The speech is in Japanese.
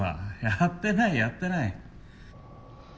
やってないやってない。